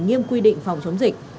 nghiêm quy định phòng chống dịch